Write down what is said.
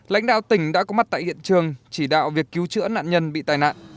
lãnh đạo tỉnh đã có mắt tại hiện trường chỉ đạo việc cứu chữa nạn nhân bị tài nạn